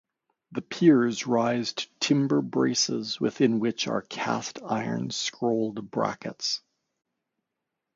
The piers rise to timber braces within which are cast-iron scrolled brackets.